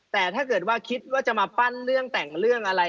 แต่ถ้าเกิดว่าคิดว่าจะมาปั้นเรื่องแต่งเรื่องอะไร